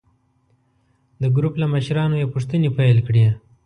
د ګروپ له مشرانو یې پوښتنې پیل کړې.